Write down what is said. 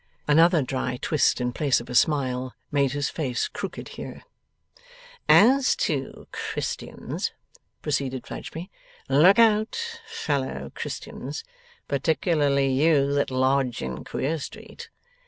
Another dry twist in place of a smile, made his face crooked here. 'As to Christians,' proceeded Fledgeby, 'look out, fellow Christians, particularly you that lodge in Queer Street!